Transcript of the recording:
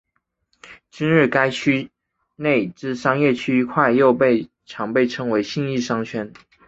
今日该区内之商业区块又常被称为信义商圈。